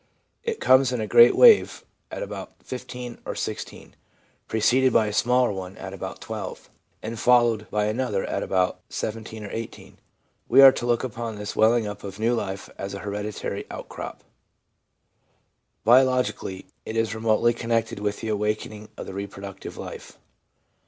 It comes in a great wave at about 15 or 16, preceded by a smaller one at about 12, and followed by another at about 17 or 18. We are to look upon this welling up of new life as a hereditary outcrop. Biologic ally, it is remotely connected with the awakening of the reproductive life.